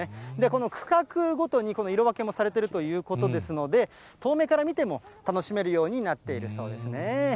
この区画ごとに色分けもされているということですので、遠目から見ても楽しめるようになっているそうですね。